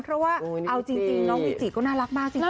เอาจริงน้องวิจิก็น่ารักมากนะคะ